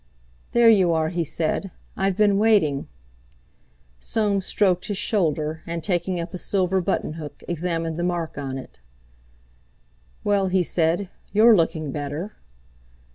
"There you are!" he said. "I've been waiting." Soames stroked his shoulder, and, taking up a silver button hook, examined the mark on it. "Well," he said, "you're looking better."